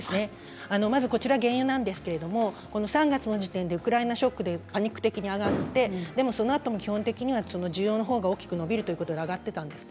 まず原油なんですが３月の時点でウクライナショックでパニック的に上がってでもそのあとも需要の方が大きく伸びるということで上がっていたんです。